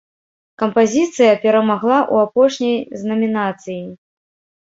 Кампазіцыя перамагла ў апошняй з намінацый.